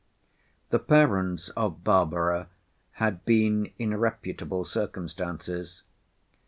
The parents of Barbara had been in reputable circumstances.